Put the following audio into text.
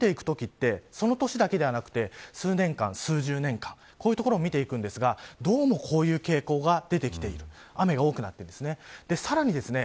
やっぱり温暖化を見ていくときはその年だけではなく数年間数十年間、こういうところを見ていきますがどうもこういう傾向が出てきている雨が多くなっています。